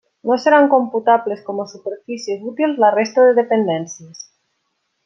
No seran computables com a superfícies útils la resta de dependències.